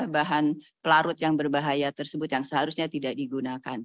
bahan pelarut yang berbahaya tersebut yang seharusnya tidak digunakan